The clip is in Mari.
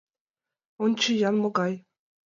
— Ончы-ян, могай.